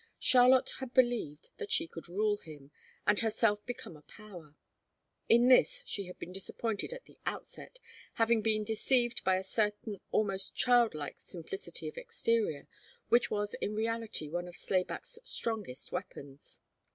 Charlotte had believed that she could rule him, and herself become a power. In this she had been disappointed at the outset, having been deceived by a certain almost childlike simplicity of exterior, which was in reality one of Slayback's strongest weapons.